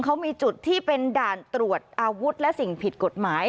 เขามีจุดที่เป็นด่านตรวจอาวุธและสิ่งผิดกฎหมาย